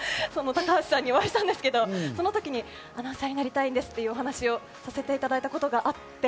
高橋さんにお会いしたんですけど、アナウンサーになりたいんですっていうお話をさせていただいたことがあって。